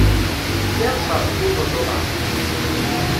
Tesɛiḍ ṣṣerf n yiwen n udulaṛ?